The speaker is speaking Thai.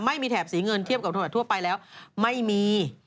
ไม่มีแถบสีเงินเทียบกับโทษรหัสทั่วไปแล้วไม่มี